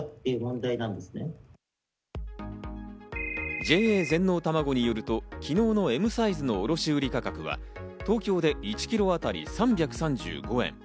ＪＡ全農たまごによると、昨日のＭサイズの卸売価格は東京で１キロあたり３３５円。